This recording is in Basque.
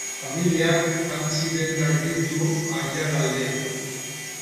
Familiak jantzi dendak ditu Aiaraldean.